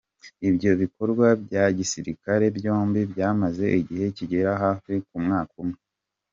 Ibyo bikorwa bya gisirikare byombi byamaze igihe kigera hafi ku mwaka umwe.